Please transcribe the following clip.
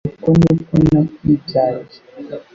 uko ni ko nakwibyariye